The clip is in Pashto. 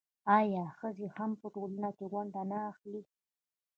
آیا ښځې هم په ټولنه کې ونډه نه اخلي؟